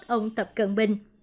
đối với ông tập cận bình